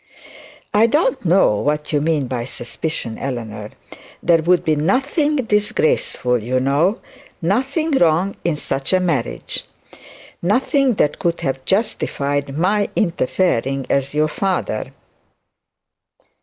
'I don't know what you mean by suspicion, Eleanor. There would be nothing disgraceful, you know; nothing wrong in such a marriage. Nothing that could have justified my interfering as your father.'